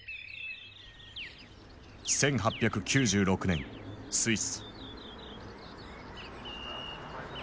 １８９６年スイス。